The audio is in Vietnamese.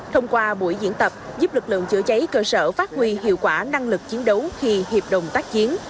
thông qua buổi diễn tập giúp lực lượng chữa cháy cơ sở phát huy hiệu quả năng lực chiến đấu khi hiệp đồng tác chiến